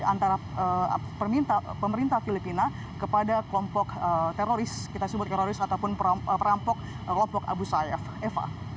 antara pemerintah filipina kepada kelompok teroris kita sebut teroris ataupun perampok kelompok agusahaya